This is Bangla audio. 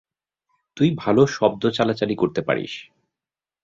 তুই ভালো শব্দ চালাচালি করতে পারিস।